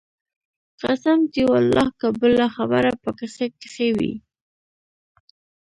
قسم دى ولله که بله خبره پکښې کښې وي.